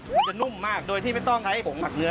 มันจะนุ่มมากโดยที่ไม่ต้องใช้ผงผักเนื้อ